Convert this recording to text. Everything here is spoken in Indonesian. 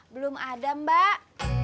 belum ada mbak